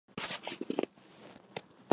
人的眼可分为感光细胞系统两部分。